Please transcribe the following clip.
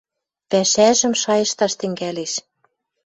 Пӓшӓжӹм шайышташ тӹнгӓлеш.